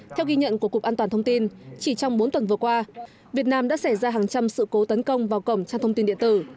theo ghi nhận của cục an toàn thông tin chỉ trong bốn tuần vừa qua việt nam đã xảy ra hàng trăm sự cố tấn công vào cổng trang thông tin điện tử